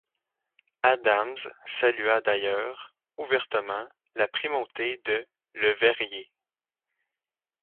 Adams salua d'ailleurs, ouvertement, la primauté de Le Verrier.